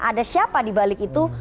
ada siapa di balik itu